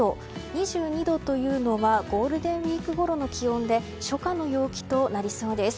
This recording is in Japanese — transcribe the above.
２２度というのはゴールデンウィークごろの気温で初夏の陽気となりそうです。